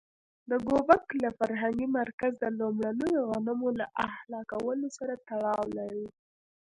د ګوبک لي فرهنګي مرکز د لومړنیو غنمو له اهلي کولو سره تړاو لري.